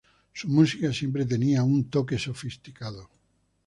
Su música siempre tenía un toque sofisticado.